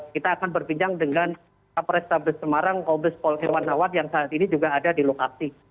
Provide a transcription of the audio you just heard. kita akan berbincang dengan kapolres kabupaten semarang kompleks pol airwan awar yang saat ini juga ada di lokasi